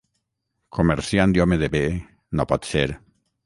Comerciant i home de bé, no pot ser.